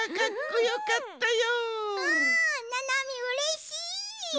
ななみうれしい！